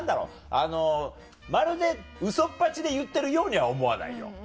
あのまるでウソっぱちで言ってるようには思わないよ。